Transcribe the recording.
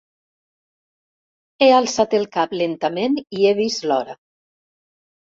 He alçat el cap lentament i he vist l'hora.